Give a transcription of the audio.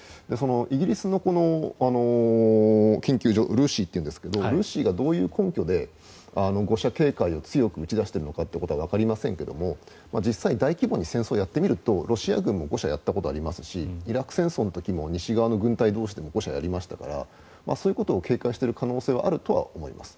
イギリスの研究所ルーシというんですがルーシーがどういう根拠で誤射警戒を強く打ち出しているのかはわかりませんが、実際に大規模に戦争をやってみるとロシア軍も誤射をやったことありますしイラク戦争でも西側の軍隊同士で誤射をやりましたからそういうことを警戒している可能性はあると思います。